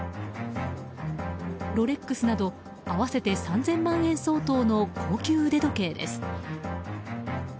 ロレックスなど合わせて３０００万円相当の高級腕時計です。